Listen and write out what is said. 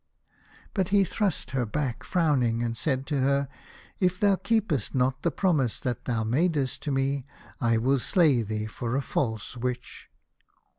But he thrust her back frowning, and said to her, "If thou keepest not the promise that thou madest to me I will slay thee for a false witch."